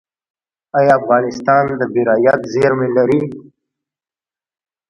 آیا افغانستان د بیرایت زیرمې لري؟